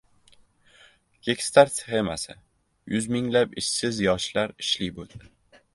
«Kickstart» sxemasi: yuz minglab ishsiz yoshlar ishli bo‘ldi